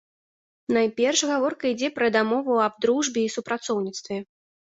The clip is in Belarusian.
Найперш гаворка ідзе пра дамову аб дружбе і супрацоўніцтве.